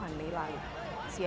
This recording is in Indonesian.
pergi lagi situ